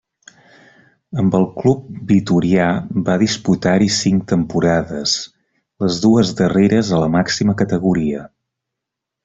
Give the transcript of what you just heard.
Amb el club vitorià va disputar-hi cinc temporades, les dues darreres a la màxima categoria.